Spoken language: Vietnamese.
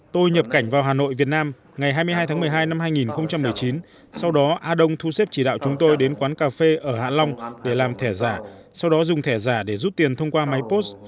tôi nhập cảnh vào hà nội việt nam ngày hai mươi hai tháng một mươi hai năm hai nghìn một mươi chín sau đó a đông thu xếp chỉ đạo chúng tôi đến quán cà phê ở hạ long để làm thẻ giả sau đó dùng thẻ giả để rút tiền thông qua máy post